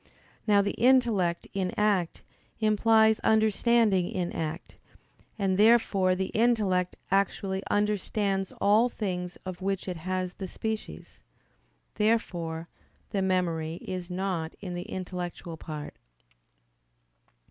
Now the intellect in act implies understanding in act; and therefore the intellect actually understands all things of which it has the species. Therefore the memory is not in the intellectual part.